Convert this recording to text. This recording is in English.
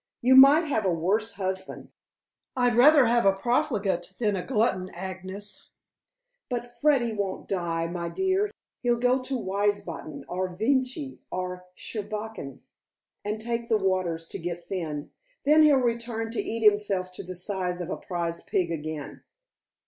You might have a worse husband." "I'd rather have a profligate than a glutton, Agnes. But Freddy won't die, my dear. He'll go to Wiesbaden, or Vichy, or Schwalbach, and take the waters to get thin; then he'll return to eat himself to the size of a prize pig again.